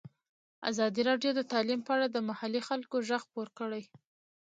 ازادي راډیو د تعلیم په اړه د محلي خلکو غږ خپور کړی.